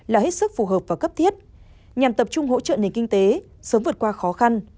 là hết sức phù hợp và cấp thiết nhằm tập trung hỗ trợ nền kinh tế sớm vượt qua khó khăn